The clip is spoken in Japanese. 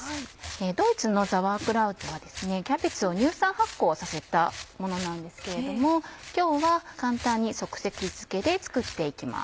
ドイツのザワークラウトはキャベツを乳酸発酵させたものなんですけれども今日は簡単に即席漬けで作って行きます。